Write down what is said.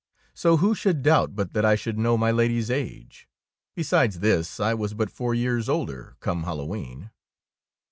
So who should doubt but that I should know my Lady's age? Besides this I was but four years older come Hal lowe^en.